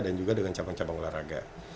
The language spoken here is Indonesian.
dan juga dengan cabang cabang olahraga